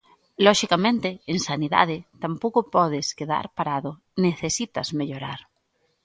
Loxicamente, en sanidade tampouco podes quedar parado, necesitas mellorar.